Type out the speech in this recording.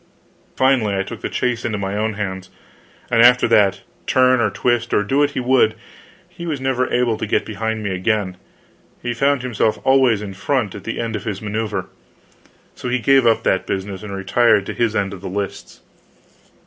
Finally I took the chase into my own hands; and after that, turn, or twist, or do what he would, he was never able to get behind me again; he found himself always in front at the end of his maneuver. So he gave up that business and retired to his end of the lists.